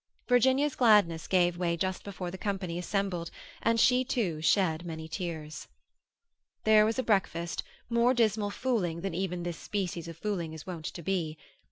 Virginia's gladness gave way just before the company assembled, and she too shed many tears. There was a breakfast, more dismal fooling than even this species of fooling is wont to be.